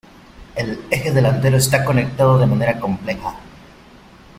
El eje delantero está conectado de manera compleja.